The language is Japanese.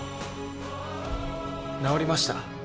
治りました。